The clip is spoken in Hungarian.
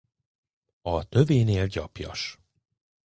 A tövénél gyapjas.